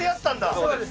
そうです。